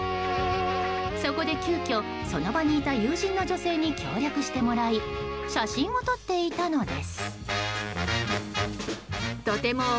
そこで急きょ、その場にいた友人の女性に協力してもらい写真を撮っていたのです。